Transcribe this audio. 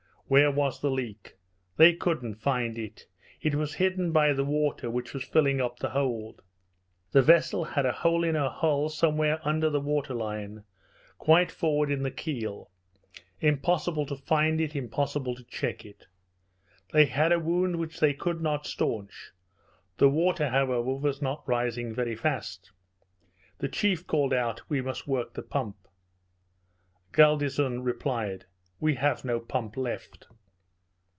Where was the leak? They couldn't find it. It was hidden by the water which was filling up the hold. The vessel had a hole in her hull somewhere under the water line, quite forward in the keel. Impossible to find it impossible to check it. They had a wound which they could not stanch. The water, however, was not rising very fast. The chief called out, "We must work the pump." Galdeazun replied, "We have no pump left."